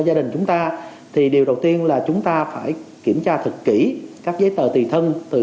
gia đình chúng ta thì điều đầu tiên là chúng ta phải kiểm tra thật kỹ các giấy tờ tùy thân từ